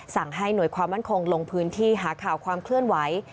ให้หน่วยความมั่นคงลงพื้นที่หาข่าวความเคลื่อนไหว